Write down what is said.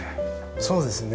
そうですね。